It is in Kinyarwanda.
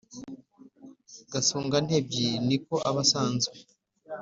gasongantebyi ni ko aba asanzwe